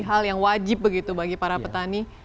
hal yang wajib begitu bagi para petani